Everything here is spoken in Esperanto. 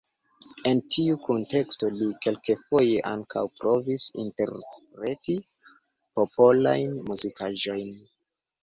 En tiu kunteksto li kelkfoje ankaŭ provis interpreti popolajn muzikaĵojn.